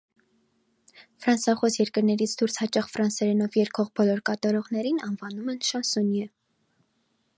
Ֆրանսախոս երկրներից դուրս հաճախ ֆրանսերենով երգող բոլոր կատարողներին անվանում են շանսոնիե։